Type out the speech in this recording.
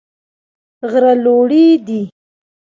غره لوړي دي.